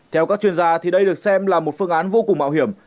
theo các chuyên gia đây được xem là một phương án vô cùng mạo hiểm